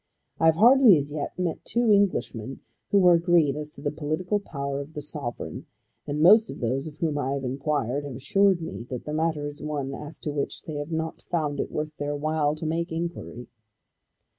I have hardly as yet met two Englishmen who were agreed as to the political power of the sovereign; and most of those of whom I have enquired have assured me that the matter is one as to which they have not found it worth their while to make inquiry."